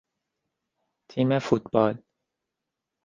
تیم فوتبال